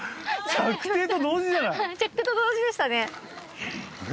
着底と同時でしたねあれ？